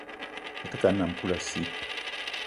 Me te ke a nnam poulassi